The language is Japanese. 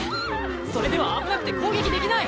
それでは危なくて攻撃できない！